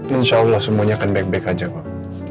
insya allah semuanya akan baik baik aja pak